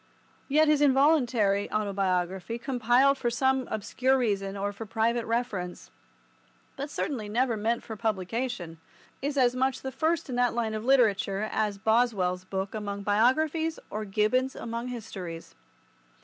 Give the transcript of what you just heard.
Yet his involuntary autobiography, compiled for some obscure reason or for private reference, but certainly never meant for publication, is as much the first in that line of literature as Boswell's book among biographies or Gibbon's among histories.